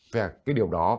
và cái điều đó